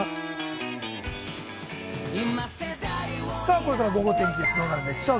これから午後の天気どうなるでしょうか？